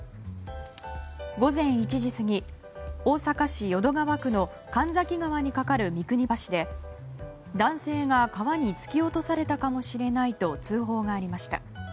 午前１時過ぎ、大阪市淀川区の神崎川に架かる三国橋で男性が川に突き落とされたかもしれないと通報がありました。